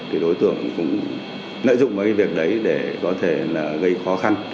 thì đối tượng cũng nợ dụng vào việc đấy để có thể gây khó khăn